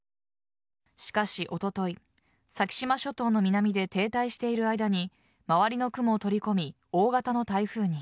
しかし、おととい先島諸島の南で停滞している間に周りの雲を取り込み大型の台風に。